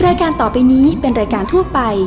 รายการต่อไปนี้เป็นรายการทั่วไป